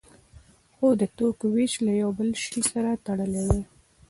خو د توکو ویش له یو بل شی سره تړلی دی.